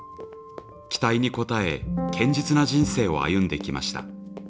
期待に応え「堅実な人生」を歩んできました。